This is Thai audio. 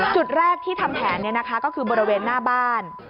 จุดแรกที่ทำแผนเนี่ยนะคะก็คือบริเวณหน้าบ้าน